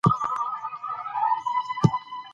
افغانستان کې نورستان د نن او راتلونکي لپاره ارزښت لري.